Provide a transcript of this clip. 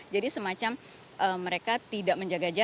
jadi semacam mereka tidak menjaga jalan